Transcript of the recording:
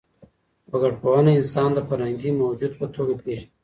وګړپوهنه انسان د فرهنګي موجود په توګه پېژني.